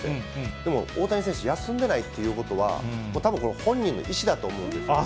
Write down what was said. でも、大谷選手、休んでないっていうことは、たぶん、これ本人の意思だと思うんです。